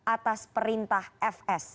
atas perintah fs